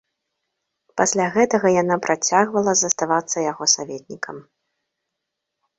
Пасля гэтага яна працягвала заставацца яго саветнікам.